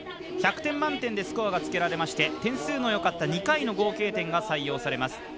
１００点満点でスコアがつけられまして点数のよかった２回の合計点が採用されます。